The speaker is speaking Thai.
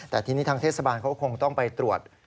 แต่ทีนี้ทางเทศบาลเขาก็คงต้องไปตรวจ